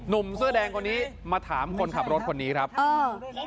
หนุ่มเสื้อแดงคนนี้มาถามคนขับรถคนนี้ครับอ้าว